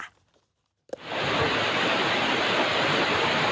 เฮ่ย